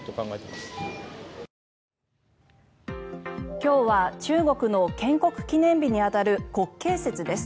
今日は中国の建国記念日に当たる国慶節です。